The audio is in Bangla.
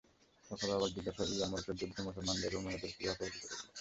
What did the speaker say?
সকলের অবাক জিজ্ঞাসা– ইয়ারমুকের যুদ্ধে মুসলমানরা রোমীয়দের কিভাবে পরাজিত করল?